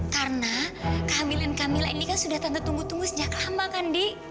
karena kehamilan kamila ini kan sudah tante tunggu tunggu sejak lama kan ndi